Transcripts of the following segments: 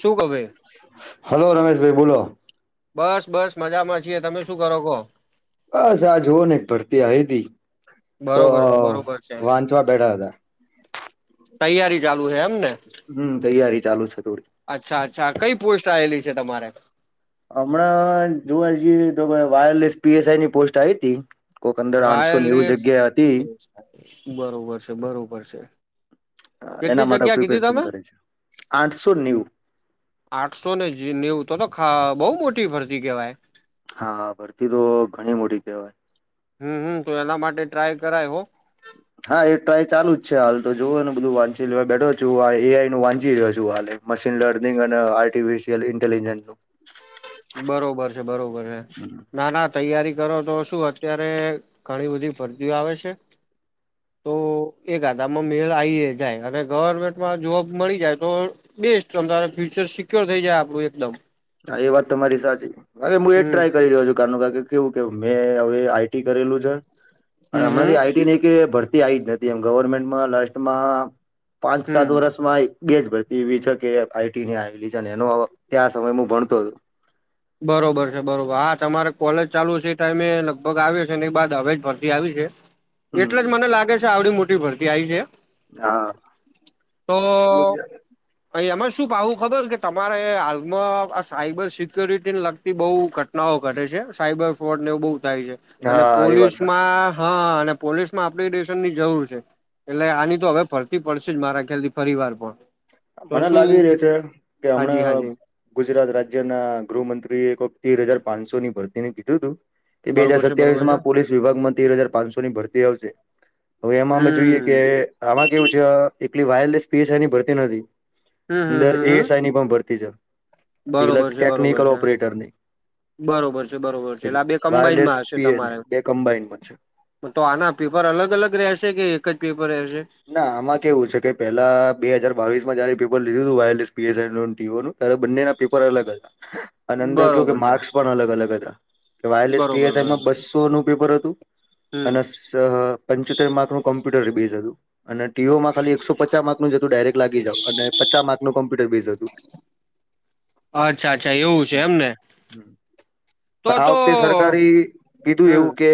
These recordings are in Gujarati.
શું કરે. હલો રમેશભાઈ બોલો. બસ બસ મજામાં છીએ તમે શું કરો કહો. બસ આ જોવું ને ભરતી આવી તી તો બરોબર છે બરોબર છે વાંચવા બેઠા હતા. તૈયારી ચાલુ છે એમને. હમ તૈયારી ચાલુ છે થોડી. અચ્છા અચ્છા કઈ પોસ્ટ આવેલી છે તમારે. હમણાં જોવા જઈએ તો વાયરલેસ પીએસઆઈની પોસ્ટ આવી હતી. કોકંદર આઠસો નેવું વાયરલેસ જગ્યા હતી. બરોબર છે બરોબર છે. કેટલી એના માટે જગ્યા કીધી પ્રિપેરેશન તમે કરે છે આઠસો નેવું. આઠસો ને નેવું તો તો બહુ મોટી ભરતી કહેવાય. હા ભરતી તો ઘણી મોટી કહેવાય. હમ હમ તો એના માટે ટ્રાય કરાય હો. હા એ ટ્રાય ચાલુ જ છે હાલ તો જોુઓ ને બધું વાંચી લેવા બેઠો છું એ આઈ નું વાંચી રહ્યો છું હાલે. મશીન લર્નિંગ અને આર્ટિફિશયલ ઇન્ટેલિજન્સ બરોબર છે બરોબર છે ના ના. તૈયારી કરો તો શું અત્યારે ઘણી બધી ભરતીઓ આવે છે. તો એ ગાધામાં મેળ આવી જાય અને ગવર્મેન્ટમાં જોબ મળી જાય તો બેસ્ટ તો ત ફ્યુચર સિક્યોર થઈ જાય આપડું એકદમ હા એ વાત તો તમારી સાચી હ હું એ જ હમ ટ્રાય કરી રહ્યો છું કારનું. કેવું કે મેં હવે આઈટી કરેલું છે અને હમ હમ હમણાંથી આઈટી. કે ભરતી આવી જ નથી એમ ગવર્મેન્ટમાં લાસ્ટમાં પાંચ હમ સાત વર્ષ બેજ ભરતી એવી છે કે આઈટી ની આવેલી છે એનો ત્યાં સમય હું ભણતો હતો. બરોબર છે બરોબર હા તમારે કોલેજ ચાલુ છે ટાઈમે લગભગ આવ્યો છે ને એક બાદ હવે જ ફરતી આવી છે. એટલે જ મને હમ લાગે છે આવડી મોટી ભરતી આવી છે. હા તો અહી એમાં શું પાવું ખબર કે તમારે હાલમાં સાઈબર સિક્યોરિટીને લગતી બહુ ઘટનાઓ ઘટે છે સાયબર ફ્રોડ નેવું બહુ થાય છે. અને હા એ વાત સાચી પોલીસમાં હા અને પોલીસ માં એપ્લડેશન ની જરૂર છે. એટલે આની તો હવે ફરતી પડશે જ મારા ખ્યાલથી ફિવાર પણ. તો મને લાગી શું કે રહ્યું છે કે હાજી હમણા. હાજી ગુજરાત રાજ્યના ગૃહમંત્રીએ એક વખત તેર હજાર પાંચસો ની ભરતી ને કીધું હતું. કે બે હાજર બરોબર છે સત્યાવીસ બરોબર છે માં પોલીસ વિભાગમાં તેર હજાર પાંચસો ની ભરતી આવશે. હવે એમાં અમે જોઈએ કે હમ આમાં કેવું છે એટલી વાયરલેસ સ્પેસ એની ભરતી નથી. હમ હમ અંદર હમ હમ એસ આ ઈ ની પણ ભરતી છેટલે બરોબર છે બરોબર ટેકનિકલ છે ઓપરેટરની. બરોબર છે બરોબર છે એટલે આ બે વાયરલેસ કમ્બાઈનમાં હશે પીએ ન તમારે બે કમ્બાઈનમાં છે. તો આના પેપર અલગ અલગ રહેશે કે એક જ પેપર રહેશે. ના આમાં કેવું છે કે પેલા બે હાજાર બાવીસ માં જયારે પેપર લીધું હતું wireless P S E TO નું ત્યારે બંનેના પેપર અલગ હતા. અને અંદર કહું કે બરોબર છે માર્કસ પણ અલગ અલગ હતા કે વાયરલેસ બરોબર પી એસ આ ઈ માં બરોબર બસો નું પેપર હતું. હમ અને સા પંચોતેર માર્કનું કોમ્પ્યુટર બેઝ હતું. અને ટીઓમાં ખાલી એકસો પચ માકનું જ હતું ડાયરેક લાગી જાવ અને પચાસ માર્કનું કોમ્પ્યુટર બેઝ હતું. [inaudible] અચ્છા અચ્છા એવું છે એમને. પણ તો આ વખતે તો સરકારી કીધું એવું હમ કે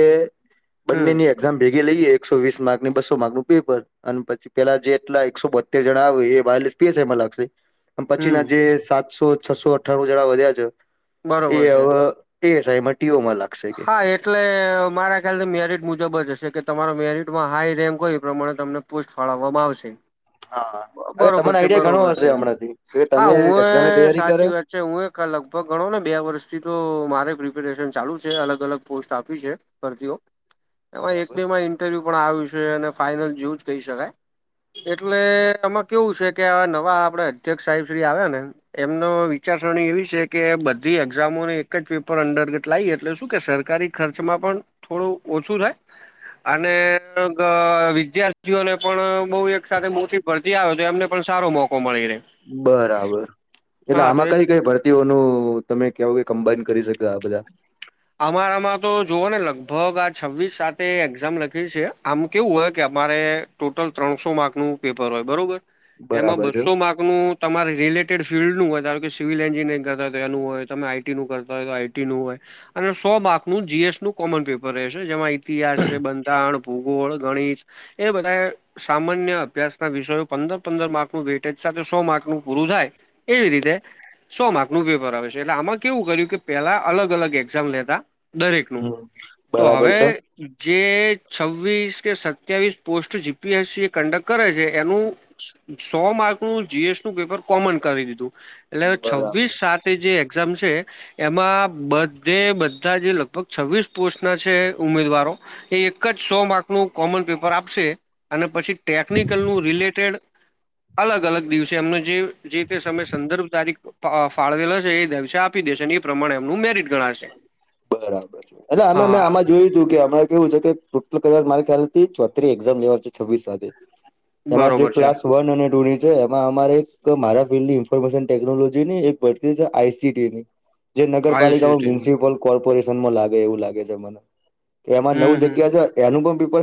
હમ બંનેની એક્ઝામ ભેગી લઈએ એકસો વી માકને બસો માર્કનું પેપર અને પછી પેલા જે એટલા એકસો બતેર જણા આવે એ વાયરલેસ પીએસ એમાં લાગશે. પછીના હમ જે સાતસો છસો અઠ્ઠાણું જેડા વધ્યા છે એ બરોબર છે હવે એ [unintelligible] એમાં ટીઓમાં લાગશે. કે હા એટલે મારા ખ્યાલથી મેરિટ મુજબ જ હશે કે તમારો મેરિટમાં હાઈ રેન્ક હોય એ પ્રમાણે તમને પોસ્ટ ફાળવવામાં આવશે. હા હવે બરોબર તમને છે આઈડિયા ઘણો બરોબર છે હશે હમણાંથી કે તમે હા એક્ઝામની હું તૈયારી કરે સાચી વાત [unintelligible] હું એ લગભગ ગણો ને બે વર્ષથી તો મારે પ્રિપેરેશન ચાલુ છે અલગ અલગ પોસ્ટ આપી છે. [unintelligible] એમાં એક બરાબર બે માં ઇન્ટરવ્યુ પણ આવ્યું છે અને ફાઈનલ જેવું જ કહી શકાય એટલે એમાં કેવું છે કે નવા આપડે અધ્યક્ષ સાહેબ શ્રી આવ ને. એમનો વિચારસરણી એવી છે કે બધી એક્ઝામોને એક જ પેપર અંદર્ગત લાવ એટલે શું કે સરકારી ખર્ચમાં પણ થોડું ઓછું થાય. અને વિદ્યાર્થીઓને પણ બહ એક સાથે મોટી ભરથી આવે તો એમને પણ સારો મોકો મળી રહે. બરાબર એટલે હા તો આમાં એક કઈ કઈ ભરત તેવો નું તમે કેવો કે કમ્બાાઈન કરી શકે આ બધા. આમાં ને આમાં તો જોવો ને લગભગ આ છવ્વીસ સાતે એક્ઝામ લખી છે આમા કેવું હોય કે અમારે ટોટલ ત્રણસો માર્ક નું પેપર હોય બરોબર એમાં બરાબર છે બસો માર્ક નું તમારે રિલેટેડ ફિલ્ડનું હોય ધારો કે સિવિલ એન્જિનિયરિંગ કરતા હો એનું હોય તમે આઈટીનું કરતા હોય તો ટી નું હોય અને સો માર્કનું જી એસ નું કોમન પેપર રહેશે જેમાં ઇતિહાસ છે બંધારણ ભૂગોળ ગણિત એ બધા સામાન્ય અભ્યાસ ના વિષયો પંદર પંદર માર્કનું વેટેજ સાથે સો માર્કનું પૂરું થાય. એવી રીતે સો માર્કનું પેપર આવે છે એટલે આમાં કેવું કર્યુ કે પેલા અલગ અલગ એક્ઝામ લેતા દરેક નું હમ તો બરાબર હવે છે જે છવ્વીસ કે સત્યાવીસ post G P S C conduct કરે છે. એનું સો માર્ક નું જી એસ નું પેપર કોમન કરી દીધું. એટલે બરાબર છવ્વીસ સાત જે એક્ઝામ છે એમાં બા બધે બધા જે લગભગ છવ્વીસ પોસ્ટના છે ઉમેદવારો એ એક જ સો માર્કનુ કોમન પેપર આપશે અને પછી ટેકનિકલનુ રિલેટેડ અલગ અલગ દિવસે એમને જે જે તે સમય સંદર્ભ તારીખ ફાળવેલો છે એ દિવસે આપી દે શે એ પ્રમાણે એમનું મેરિટ ગણાશે. બરાબર છે એટલે આમ હા મે હા આમાં જોયું તુ કે આમાં કેવું છે કે ટોટલ કદાચ મારા ખ્યાલથી ચોત્રીસ એક્ઝામ લેવાય છે છવ્વીસ સાથે એમાં જે બરોબર છે ક્લાસ વન અને ટુ ની એમાં અમારે મારા ફિલ્ડની ઇન્ફોર્મેશન ટેકનોલોજી ની એક ભરતી છે આઈસીટી ની જે નગરપાલિકામાં આયુસીટીની મ્યુનિસિપલ કોર્પોરેશનમાં લાગે એવું લાગે છે. એમાં નવ હમ હમ જગ્યા છે. એનું પણ પેપર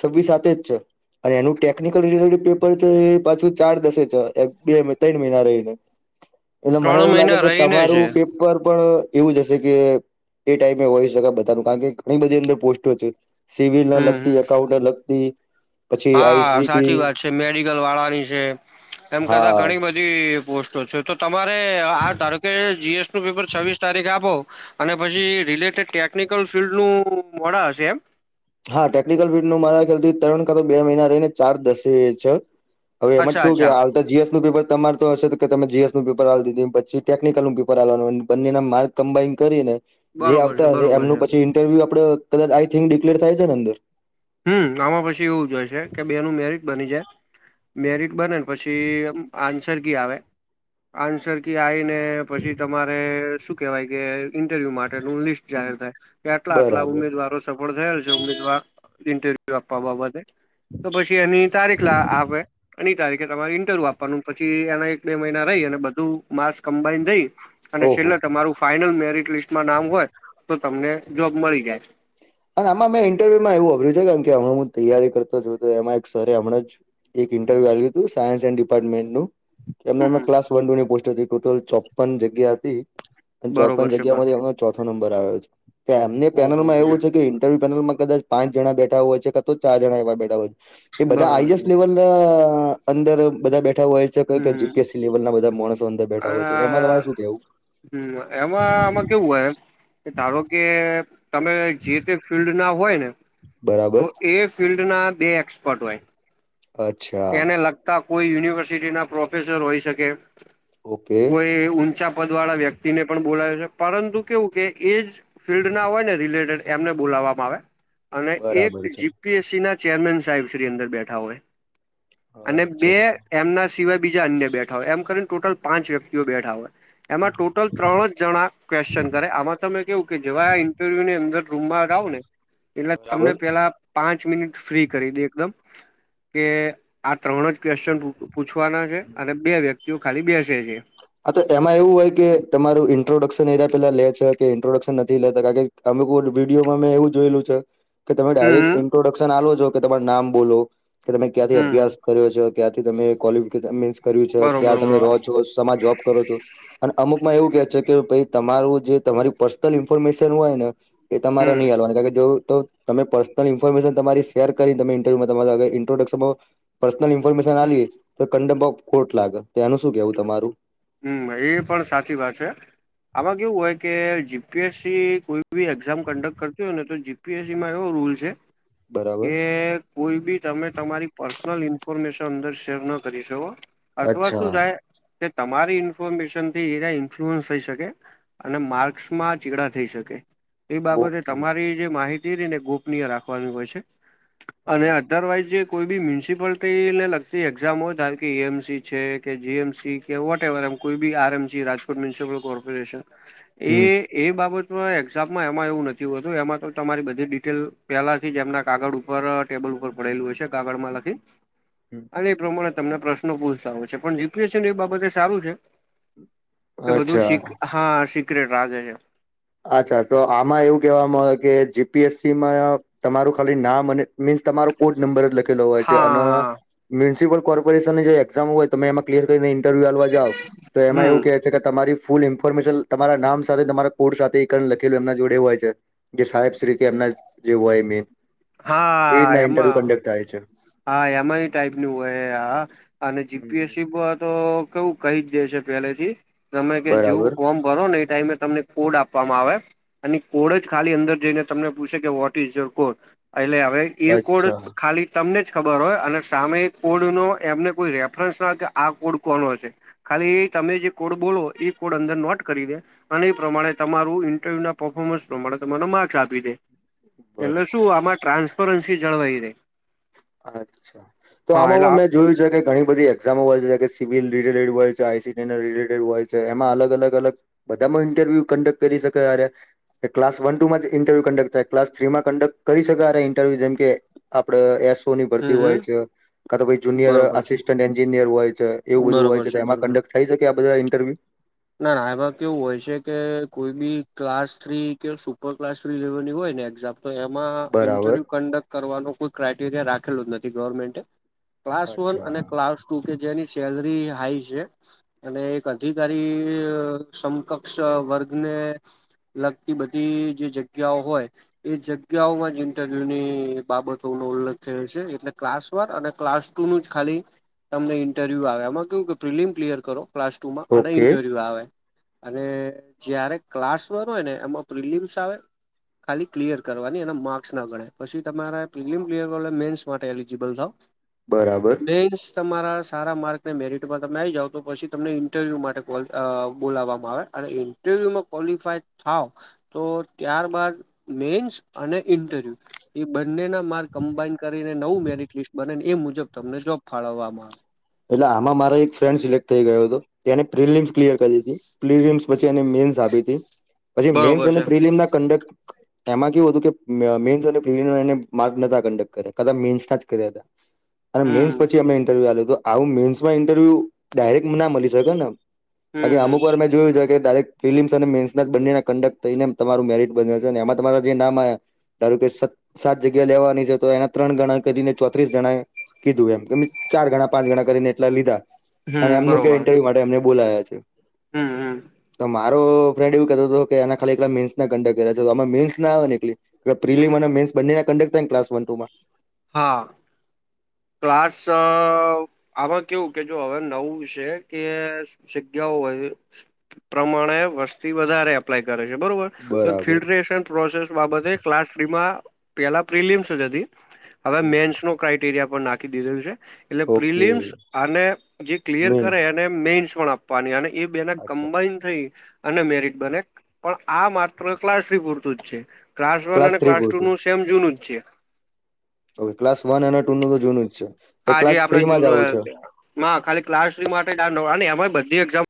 છવ્વીસ સાતે જ છે. અને એનું ટેકનિકલ રિલેટેડ પેપર છે એ પાછું ચાર દસે છે બે ત્રણ મહિના રહીને એટલે મને ત્રણ એવું લાગે મહિના છે રહીને છે તમારું પેપર પણ એવું જ હશે કે એ ટાઈમે એ હોય શકે બધાનું કારણ કે ઘણી બધી અંદર પોસ્ટો છે. સિવિલને હમ લગતી હમ એકાઉન્ટને લગતી પછી હા આઈસીટી સાચી વાત છે મેડિકલ વાળાની છે એમ કરતા હા ઘણી બધી પોસ્ટો છે, તો તમારે આ ધારોકે જીએસ નું પેપર છવ્વીસ તારીખ આપો અને પછી રિલેટેડ ટેકનિકલ ફિલ્ડ નુ મોડા હશે એમ હા ટેકનિકલ ફિલ્ડ ન મારા ખ્યાલથી ત્રણ કાટો તો બે મહિના રહી ને ચાર દસે છે. હવે એમાં અચ્છા કેવું અચ્છા કે જીસનું પેપર તમારે તો હશે તો કે તમે જીએસનું પેપર આપી દીધુ, પછી ટેકનિકલનું પેપર આપવાનું અને પછી બંનેના માર્ક્સ કમ્બાઈન કરીને જે બરોબર છે આવતા હશે બરોબર એમનું છે પછી ઇન્ટરવ્યુ આપડે કદાચ આઈ થિન્ક ડિક્લેર થાય છેને, અંદર હા આમાં પછી એવુ, જશે કે બેનુ મેરિટ બની જાય મેરિટ બનેને પછી આન્સર કી આવે આન્સર કી આવીને પછી તમારે શું કહેવાય કે ઇન્ટરવ્યૂ માટેનુ લિસ્ટ જાહેર થાય કે આટલા આટલા બરાબર ઉમેદવારો સફળ થયેલ છે, ઉમેદવાર ઇન્ટરવ્યુ આપવા બાબતે તો પછી એની તારીખ આપે એની તારીખે તમારે ઇન્ટરવ્યુ આપવાનું પછી એના એક બે મહિના રહી અને બધું માર્સ કમ્બાાઈન થઈ. અને ઓહો છેલ્લે તમારું ફાઈનલ મેરીટ લિસ્ટમાં નામ હોય, તો તમને જોબ મળી જાય. અને આમાં મેં ઇન્ટરવ્યુ માં એવું સાંભળ્યું છે છે, કેમ કે હમણાં હું તૈયારી કરતો તો એમાં એક સરે હમણા એક ઇન્ટરવ્યુ આપ્યું હતું સાયન્સ એન્ડ ડિપાર્ટમેન્ટ નુ હમ એમા હમ ક્લાસ વન ટુની પોસ્ટ હતી ટોટલ ચોપન જગ્યા હતી. અને ચોપન બરોબર છે બા જગ્યામાંથી એમનો ચોથો નંબર આવ્યો છે એમને ઓહો પેનલમાં હો એવું છે, કે ઈન્ટરવ્યુ પેનલ માં કદાચ પાંચ જણા બેઠા હોય છે કા તો ચાર જણા એવા બેઠા હોય એ બધા બરોબર આઈએસ છે લેવલ ના અંદર બધા બેઠા હોય. હમ જીપીએસસી લેવલ ના બધા માણસો અંદર બેઠા હોય અને છે, એમાં તમારે શું કેવુ હમ એમાં આમાં કેવું હોય ધારો કે તમે જે તે ફિલ્ડ ના હોય, ને તો બરાબર એ ફિલ્ડના બે એક્સપર્ટ હોય. અચ્છા એને લગતા કોઈ યુનિવર્સિટીના પ્રોફેસર હોઈ, શકે ઓકે કોઈ ઊંચા પદ વાળા વ્યક્તિને પણ બોલાવે છે, પરંતુ કેવું કે એજ ફિલ્ડ ના હોય ને રિલેટેડ એમને બોલાવવામાં આવે અને બરાબર છે એક એસસી ના ચેરમેન સાહેબ શ્રી અંદર બેઠા હોય. અને બે અચ્છા એમના સિવાય બીજા અન્ય બેઠા હોય એમ કરીને ટોટલ પાંચ વ્યક્તિઓ બેઠા હોય. એમાં ટોટલ ત્રણ જ જણા ક્વેશ્ચન કરે આમાં તમે કેવું કે જેવા આ ઇન્ટરવ્યુ ની અંદર રૂમમાં ગાવ ને એટલે તમને બરાબર પેલા પાંચ મિનિટ ફ્રી કરી દે એકદમ કે આ ત્રણ જ ક્વેશ્ચન પૂછવાના છે અને બે વ્યક્તિઓ ખાલી બેસે છે. આ તો એમાં એવું હોય કે તમારું ઇન્ટ્રોડક્શન એ પેલા લે છે, કે ઇન્ટ્રોડક્શન નથી લેતા કારણ અમે ક વિડીયોમાં મેમે એવું જોયેલું છે. કે તમે ડાયરેક્ટ હમ ઇન્ટ્રોડક્શન આો છો કે તમાર નામ બોલો કે તમે ક્યાંથી હમ અભ્યાસ કર્યો છો. ક્યાંથી તમે ક્વલફિકેશન મીન્સ કર્યું છે બરોબર ક્યાં તમે રહો બરોબર છો સમા જોબ કરો છો. અને અમુકમાં એવું કેહે છે કે તમારું જે તમાર પર્સનલ ઈન્ફોર્મેશન હોય, ને એ તમારે હમ નહીં હાલવાની કારણ કે જો તો તમે પર્સનલ ઇન્ફોર્મેશન તમારી શેર કરીને તમે ઇન્ટરવ્યુમાં તમારા ઇન્ટ્રોડક્શનમા પર્સનલ ઇન્ફોર્મેશન લએ તો કડ્પ ઓફ કોર્ટ લાગે તો એનું શું કેવુ, તમારુ હમ એ પણ સાચી વાત છે, આમાં કેવું હોય કે જીપીએસસી કોઈ એ એક્ઝામ કન્ડક્ટ કરતી હોય ને તો જીપીએસસી માં એવો રૂલ છે બરાબર કે કોઈ બી તમે તમારી પર્સનલ ઇન્ફોર્મેશન અંદર શેર ન કરી શકો અથવા અચ્છા શું થાય તે તમારી ઇન્ફોર્મેશન થી એ ઇન્ફ્લુઅન્સ થઈ શકે અને માર્ક્સમાં ચીગડા થઈ શકે એ બાબતે ઓકે તમારી જે માહિતી ને ગોપનીય રાખવાની હોય છે. અને અધરવાઈઝ જે કોઈ બી મ્યુનિસિપાલટી ને લગતી એક્ઝામ હોય ધારો કે ઈ એમસી છે કે જીએમસી વોટ એવર એમ કોઈ બી R M Rajkot municipal corporation હમ એ એ બાબત એક્ઝામમાં એમાં એવું નથી હોતું એમાં તો તમારી બધી ડિટેલ પહેલાથી જ એમના કાગળ ઉપર ટેબલ ઉપર પડેલું હોય છે કાગળમાં લખી અને એ પ્રમાણે તમને પ્રશ્નો પૂછતા હોય છે પણ જીપીએસ છે ને એ બાબતે સારું છે. કે બધું અચ્છા સી હા સિક્રેટ રાખે છે. અચ્છા તો આમાં એવું કહેવામાં આવે કે જીપીએસસીમાં આ તમારું ખાલી નામ અને મીન્સ તમારું કોડ નંબર જ લખેલો હોય અને હા મ્યુનિસિપલ કોર્પોરેશન જે એક્ઝામ હોય તમે એમાં ક્લિયર કરીને ઇન્ટરવ્યુ આલવા જાઓ તો એમાં એવું હમ છે કે તમારી ફૂલ ઇન્ફોર્મેશન તમારા નામ સાથે તમાર કોડ સાથે ઈકન લખેલું એમના જોડે હોય છે કે સાહેબ શ્રી કે એમના જે હોય મેન એ હા રીતના ઇન્ટરવ્યુ એમાં કન્ડક્ટ થાય છે. હા એમાઈ ટાઈપ નું હોય હા અને હમ, જીપીએસસી તો કેવું કહી જ દે છે પેલે થી તમે કે જેવું બરાબર ફોર્મ કરો ને એ ટાઈમે તમને કોડ આપવામાં આવે અને કોડ જ ખાલી અંદર જઈને તમને પૂછે કે વોટ ઇઝ યોર કોડ એટલે હવે ઈ કોડ અચ્છા ખાલી તમને જ ખબર હોય અને સામે કોડ નો એમને કોઈ રેફરન્સ ના હોય કે આ કોડ કોનો છે. ખાલી એ તમે જે કોડ બોલો એ કોડ અંદર નોટ કરી દે અને એ પ્રમાણે તમારું ઇન્ટરવ્યુ ના પર્ફોર્મન્સ પ્રમાણે તમને માર્ક્સ આપી દે. એટલે શું બરાબર આમાં ટ્રાન્સપરન્સી જળવાઈ રે અચ્છા તો આમાં કો મેચ જોયું છે કે ઘણી બધી એક્ઝામો હોય છે જે કે સિવિલ રિલેટેડ હોય છે આઈસીટી રિલેટેડ હોય છે એમાં અલગ અલગ અલગ બધામાં ઇન્ટરવ્યુ કન્ડક્ટ કરી શકે અરયા કે ક્લાસ વન ટુમાં જ ઇન્ટરવ્યુ કન્ડક્ટ થાય ક્સ થ્રીમાં કન્ડક્ટ કરી શકાય ઇન્ટરવ્યુ જેમ કે આપડે એસોની હમ ભરતી હમ હોય છે કાંતો જુનિયર બરોબર છે આસિસ્ટન્ટ એન્જિનિયર હોય છે એવું બધું હોય બરોબર છે એમાં બરોબર કંડક થઈ શકે આ બધા ઇન્ટરવ્યુ ના ના એમાં કેવું હોય છે કે કોઈ બી ક્લાસ થ્રી કે સુપર ક્લાસ થ્રી લેવલની હોય ને એક્ઝામ તો એમાં બરાબર ઇન્ટરવ્યુ કન્ડક્ટ કરવાનો કોઈ ક્રાઈટેરિયા રાખેલું જ નથી ગવર્મેન્ટે ક્લાસ વન અને અચ્છા ક્લાસ ટુ કે જેની સેલરી હાઈ છે અને એક અધિકારી થી સમકક્ષ વર્ગને લગતી બધી જે જગ્યાઓ હોય એ જગ્યાઓમાં જ ઇન્ટરવ્યુ ની બાબતોનો ઉલ્લેખ થયો છે એટલે ક્લાસ અને ક્લાસ ટુ નું જ ખાલી તમને ઇન્ટરવ્યુ આવે એમાં કેવું કે પ્રિલિમ ક્લિયર કરો ક્લાસ ટુ માં અને ઓકે ઇન્ટરવ્યુ આવે અને જયારે ક્લાસ વન હોય ને એમાં પ્રિલિમ્સ આવે ખાલી ક્લિયર કરવાની એના માર્ક્સ ના ગણાય પછી તમારે પ્રિમિયમ ક્લિયર કરવાલે મેન્સ માટે એલિજીિબલ થાવ બરાબર મેન્સ તમારા સારા માર્ક ને મેરિટમાં તમે આવી જાવ તો પછી તમને ઇન્ટરવ્યુ માટે બોલાવવામાં આવે અને ઇન્ટરવ્યુમાં કોવોલિફાય થાવ તો ત્યાર બાદ મેન્સ અને ઇન્ટરવ્યુ એ બંને ના માર્ગ કમ્બાઇન કરીને નવું મેરિટ લીસ્ટ બનેને એ મુજબ તમને જોબ ફાળવવામાં આવે એટલે આમાં મારા એક ફ્રેન્ડ સિલેક્ટ થઈ ગયો હતો તે એને પ્રિલિમ ક્લિયર કરી હતી પ્રિલયમસચે એ મેન્સ આપી હતી પછી મેન્સ બરોબર અને છે પ્રિલિયમ ના કંડક્ટ એમાં કેવું હતું કે મે અને મેન્સ કર કાચ મેસ ના જ કર્યા હતા. અને હમ મેઈન્સ પછી અમને ઇન્ટરવ્યુ તો આવું મેન્સમાં ઇન્ટરવ્યુ ડાયરેક્ટ ના મળી શકેના. હવે હમ અમુક હમ વાર મેં જોયું છે કે ડાયરેક્ટ ફિલમ્સ અને મેન્સના જ બંને કંડક્ટ થઈને તમાર મેરિટ બન્યા છે અને એમાં તમારા જે નામ આવ્ ધારો કે સાત જગ્યા લેવાની છે તો એના ત્રણ ગણા કરીને ચોત્રીસ જણા કીધું એમ કે ચાર ગણા પાંચ ગણા કરીને એટલા લીધા અને હમ એમનું બરોબર ઇન્ટરવ્યુ માટેમને બોલાયા છે. હમ હમ તમા રો ફ્રેન્ડ એવું કતો હતો કે એના ખાલી એકલા મેંન્સ ના કંડક ગેલા તો અમાં મેંન્સ ના. [unintelligible] પ્રિલીમ અને મેસંને કંડક થાય ને કલાસ વન ટુમાં. હા. ક્લાસ આમાં કેવું કે જો હવે નવું છે કે જગ્યાઓ હોય પ્રમાણે વર્ષથી વધારે એપ્લાય કરે છે બરોબર. બરાબર ફ્ટેશન પ્રોસેસ બાબતે ક્લાસ થ્રીમાં પેલા પ્રિલિમ્સ જ હતી. હવે મેન્સ નો ક્રઇટેરિયા પણ નાખી દીધેલુ છે. એટલે ઓકે પ્રિલિમ્સ અને જે ક્લિયર મેન્સ કરે એને મેઈન્સ પણ આપ પાની અને એ બેને અચ્છા કમ્બાઇન થઈ અને મેરિટ બને પણ આ માત્ર ક્લાસ પૂરતું જ છે ક્લાસ વન અને થ્રી ક્લાસ ટુ પૂરતું નું તેમ જૂન છે. ઓકે ક્લાસ વન અને ટુ નું તો જૂનું જ છે. એ આજે ક્લાસ આપડે થ્રીમાં જુન જ આવું છે ખાલી ક્લાસ માટે એ બધી એમ